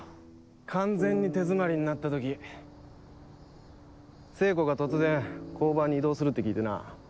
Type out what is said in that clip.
完全に手詰まりになった時聖子が突然交番に異動するって聞いてな。